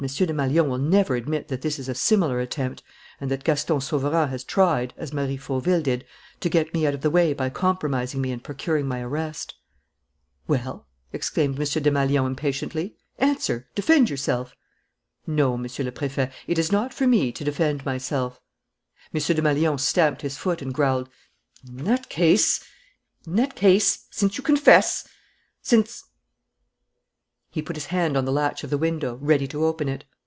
Desmalions will never admit that this is a similar attempt and that Gaston Sauverand has tried, as Marie Fauville did, to get me out of the way by compromising me and procuring my arrest." "Well," exclaimed M. Desmalions impatiently, "answer! Defend yourself!" "No, Monsieur le Préfet, it is not for me to defend myself," M. Desmalions stamped his foot and growled: "In that case ... in that case ... since you confess ... since " He put his hand on the latch of the window, ready to open it.